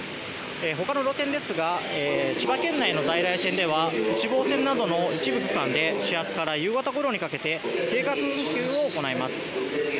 他の路線ですが千葉県内の在来線では内房線などの一部区間で始発から夕方にかけて計画運休を行います。